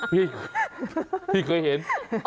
พี่พี่เคยเห็น